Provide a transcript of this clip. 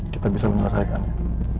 kita bisa menyelesaikannya